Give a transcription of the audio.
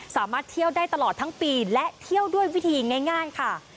สามารถเที่ยวได้ตลอดทั้งปีและเที่ยวด้วยวิธีง่ายค่ะ